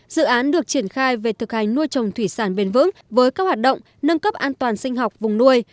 dự án được triển khai về thực hành nuôi trồng thủy sản bền vững với các hoạt động nâng cấp an toàn sinh học vùng nuôi